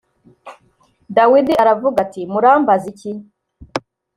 dawidi aravuga ati murambaza iki